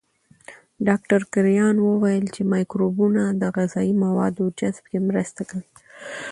ډاکټر کرایان وویل چې مایکروبونه د غذایي موادو جذب کې مرسته کوي.